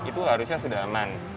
itu harusnya sudah aman